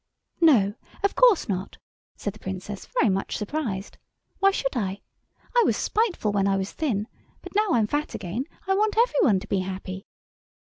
"No, of course not," said the Princess, very much surprised, "why should I? I was spiteful when I was thin, but now I'm fat again I want every one to be happy."